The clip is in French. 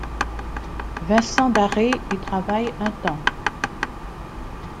Vincent Darré y travaille un temps.